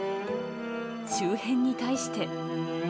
周辺に対して。